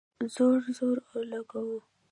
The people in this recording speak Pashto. زور ، زور، زور اولګوو